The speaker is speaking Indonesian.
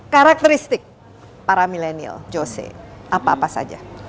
karakteristik para milenial jose apa apa saja